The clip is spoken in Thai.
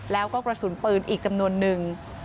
แล้วก็กระสุนปืนอีกจำนวนนึง